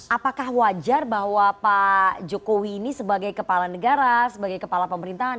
apakah wajar bahwa pak jokowi ini sebagai kepala negara sebagai kepala pemerintahan